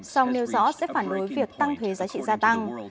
song nêu rõ sẽ phản đối việc tăng thuế giá trị gia tăng